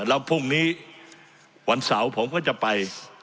แล้วพรุ่งนี้วันเสาร์ผมก็จะไป